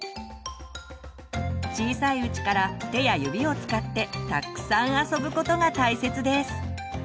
小さいうちから手や指を使ってたっくさん遊ぶことが大切です。